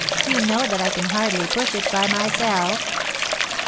You know that I can hardly push it by myself."